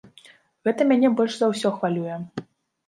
Гэта мяне больш за ўсё хвалюе.